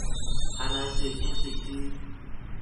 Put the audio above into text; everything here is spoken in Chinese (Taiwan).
台南市新市區